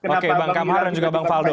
oke bang kamar dan juga bang faldo